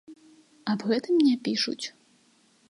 Аб гэтым не пішуць.